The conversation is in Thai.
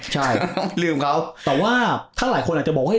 แต่ว่าถ้าหลายคนอาจจะบอกว่า